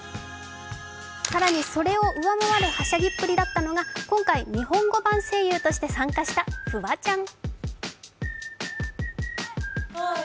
さらにそれを上回るはしゃぎっぷりだったのが今回、日本語版声優として参加したフワちゃん。